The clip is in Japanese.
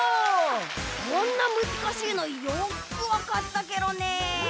こんなむずかしいのよくわかったケロね。